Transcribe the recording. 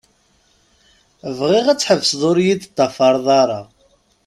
Bɣiɣ ad tḥebseḍ ur yi-d-teṭṭfaṛeḍ ara.